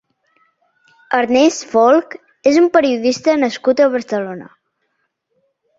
Ernest Folch és un periodista nascut a Barcelona.